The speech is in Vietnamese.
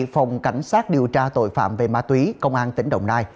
phòng cảnh sát điều tra tội phạm về ma túy công an tỉnh đồng nai